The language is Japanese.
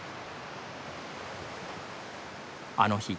あの日。